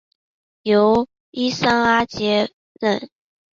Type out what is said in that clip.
由伊桑阿接任。